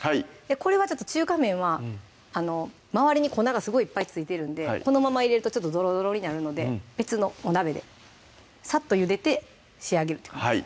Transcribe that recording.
これはちょっと中華麺は周りに粉がすごいいっぱい付いてるんでこのまま入れるとちょっとどろどろになるので別のお鍋でサッとゆでて仕上げるって感じですね